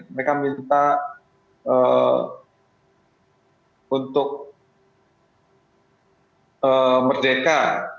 mereka minta untuk merdeka